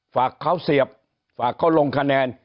ฝากเขาเสียบฝากเขาลงคะแนน